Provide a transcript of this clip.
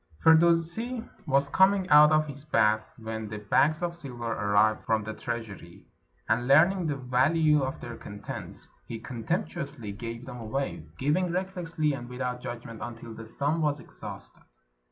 Firdusi was coming out of his bath when the bags of silver arrived from the treasury, and learning the value 382 THE BUILDING OF THE BRIDGE OF TUS of their contents, he contemptuously gave them away, giving recklessly and without judgment, until the sum was exhausted.